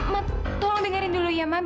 ma tolong dengerin dulu ya ma